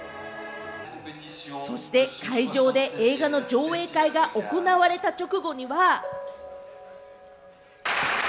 そして会場で映画の上映会が行われた直後には。